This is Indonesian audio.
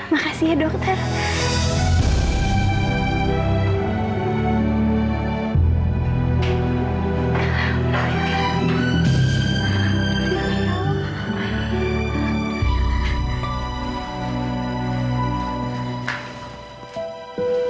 makasih ya dokter